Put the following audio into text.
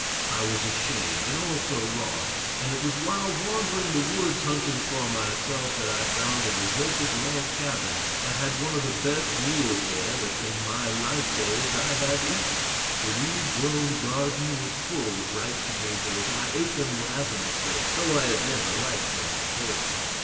I was ashamed, and also lost; and it was while wandering the woods hunting for myself that I found a deserted log cabin and had one of the best meals there that in my life days I have eaten. The weed grown garden was full of ripe tomatoes, and I ate them ravenously, though I had never liked them before.